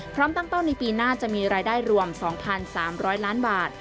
พร้อมตั้งเป้าในปีหน้าจะมีรายได้รวม๒๓๐๐ล้านบาท